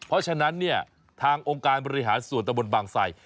เพราะฉะนั้นเนี่ยทางองค์การบริหารส่วนตะบนบางใส่